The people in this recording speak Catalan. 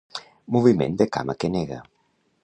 Moviment de cama que nega.